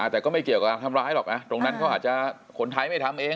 แต่ก็ไม่เกี่ยวกับทำร้ายหรอกนะตรงนั้นเขาอาจจะคนไทยไม่ทำเอง